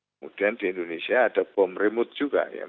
kemudian di indonesia ada bom remote juga ya